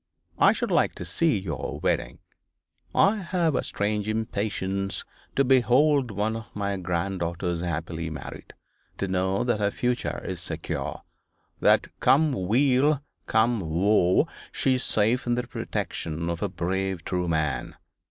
I should like to see your wedding. I have a strange impatience to behold one of my granddaughters happily married, to know that her future is secure, that come weal, come woe, she is safe in the protection of a brave true man.